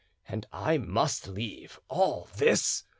and I must leave all this!